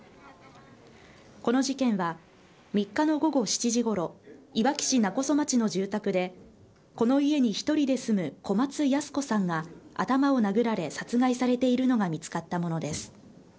この事件は３日の午後７時ごろ、いわき市勿来町の住宅で、この家に１人で住む小松ヤス子さんが、頭を殴られ殺害されているのが見つかったものです。